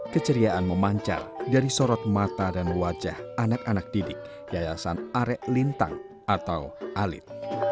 keceriaan memancar dari sorot mata dan wajah anak anak didik yayasan arek lintang atau alit